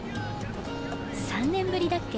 ３年ぶりだっけ？